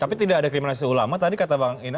tapi tidak ada kriminalisasi ulama tadi kata bang inas